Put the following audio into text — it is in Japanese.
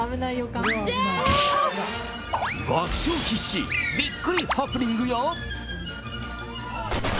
爆笑必至、びっくりハプニングや。